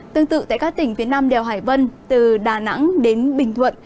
tương tự tại các tỉnh phía nam đèo hải vân từ đà nẵng đến bình thuận